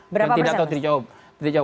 berapa persen mas